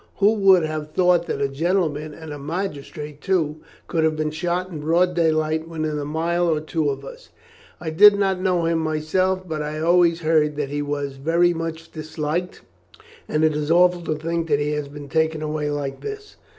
Who would have thought that a gentleman, and a magistrate too, could have been shot in broad daylight within a mile or two of us. I did not know him myself, but I have always heard that he was very much disliked, and it is awful to think that he has been taken away like this."